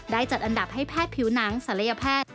จัดอันดับให้แพทย์ผิวหนังศัลยแพทย์